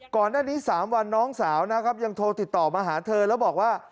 ก่อนหน้านี้๓วันน้องสาวนะครับยังโทรติดต่อมาหาเธอแล้วบอกว่า